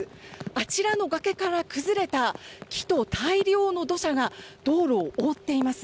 あちらの崖から崩れた木と大量の土砂が道路を覆っています。